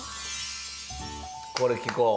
これ聞こう。